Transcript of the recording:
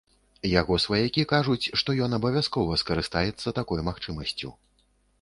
Яго сваякі кажуць, што ён абавязкова скарыстаецца такой магчымасцю.